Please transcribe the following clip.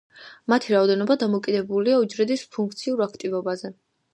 მათი რაოდენობა დამოკიდებულია უჯრედის ფუნქციურ აქტივობაზე.